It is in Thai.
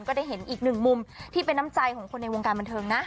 ก็ได้เห็นอีกหนึ่งมุมที่เป็นน้ำใจของคนในวงการบันเทิงนะ